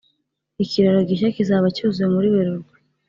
ikiraro gishya kizaba cyuzuye muri werurwe.